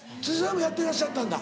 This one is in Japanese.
やってらっしゃったんだ？